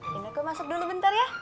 tunggu dulu bentar ya